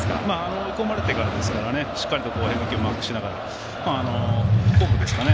追い込まれてからですねしっかりとマークしながらフォークですかね